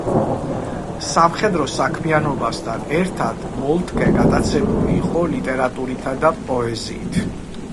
სამხედრო საქმიანობასთან ერთად მოლტკე გატაცებული იყო ლიტერატურითა და პოეზიით.